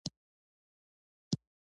هلته یې ننګینه معاهده لاسلیک کړه.